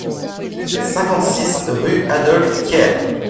cinquante-six rue Adolphe Thiers